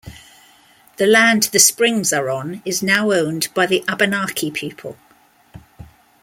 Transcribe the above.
The land the springs are on is now owned by the Abenaki people.